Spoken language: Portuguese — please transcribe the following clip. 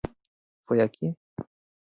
Foi aqui?